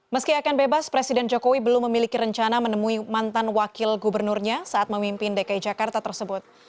meski akan bebas presiden jokowi belum memiliki rencana menemui mantan wakil gubernurnya saat memimpin dki jakarta tersebut